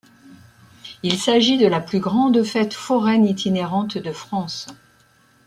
Il s'agit de la plus grande fête foraine itinérante de France.